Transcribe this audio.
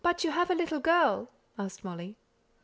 "You have a little girl?" asked Molly.